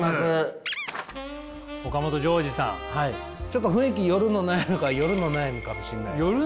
ちょっと雰囲気夜の夜の悩みかもしれないですね。